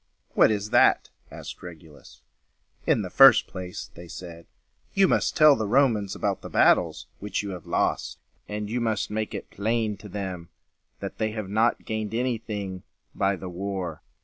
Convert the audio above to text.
"What is that?" asked Regulus. "In the first place," they said, "you must tell the Romans about the battles which you have lost, and you must make it plain to them that they have not gained any thing by the war.